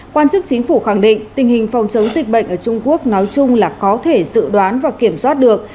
quan chức chính phủ khẳng định tình hình phòng chống dịch bệnh ở trung quốc nói chung là có thể dự đoán và kiểm soát được